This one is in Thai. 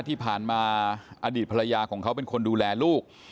ที่ผ่านมาอดีตภรรยาของเขาเป็นคนดูแลลูก